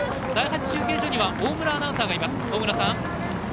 第８中継所には大村アナウンサーがいます。